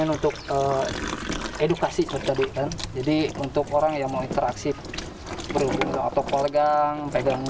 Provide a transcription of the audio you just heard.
untuk edukasi jadi untuk orang yang mau interaksi berhubung atau kolgang pegang